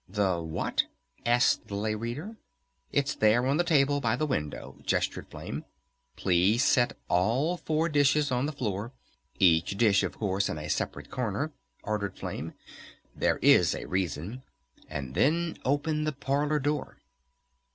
"The what?" asked the Lay Reader. "It's there on the table by the window," gestured Flame. "Please set all four dishes on the floor, each dish, of course, in a separate corner," ordered Flame. "There is a reason.... And then open the parlor door."